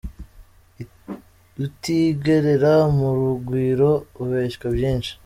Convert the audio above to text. Utigerera mu Rugwiro abeshywa byinshi.